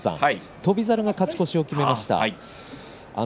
翔猿が勝ち越しを決めました。